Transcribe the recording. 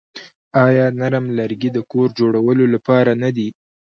آیا نرم لرګي د کور جوړولو لپاره نه دي؟